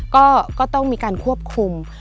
ก็ต้องมีการควบคุม